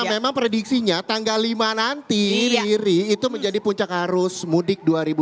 karena memang prediksinya tanggal lima nanti riri itu menjadi puncak arus mudik dua ribu dua puluh empat